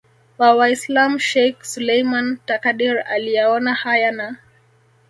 wa Waislam Sheikh Suleiman Takadir aliyaona haya na